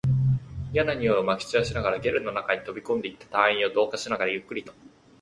嫌な臭いを撒き散らしながら、ゲルの中に飛び込んでいった隊員を同化しながら、ゆっくりと